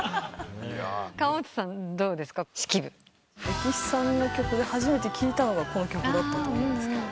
『ＳＨＩＫＩＢＵ』レキシさんの曲で初めて聴いたのがこの曲だったと思うんですけど。